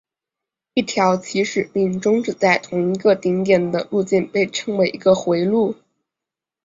一条起始并终止在同一个顶点的路径被称为一个回路。